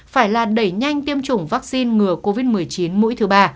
phải là đẩy nhanh tiêm chủng vaccine ngừa covid một mươi chín mũi thứ ba